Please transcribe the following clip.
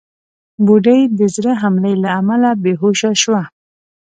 بوډۍ د زړه حملې له امله بېهوشه شوه.